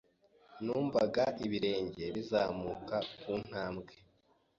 Numvaga ibirenge bizamuka kuntambwe.